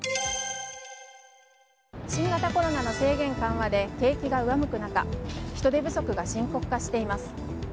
新型コロナの制限緩和で景気が上向く中人手不足が深刻化しています。